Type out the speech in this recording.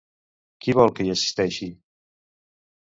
Qui vol que hi assisteixi?